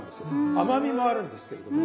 甘みもあるんですけれども。